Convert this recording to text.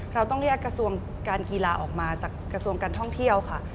เราต้องเรียกกระทรวงการกีฬาออกมาจากกระทรวงการท่องเที่ยวค่ะ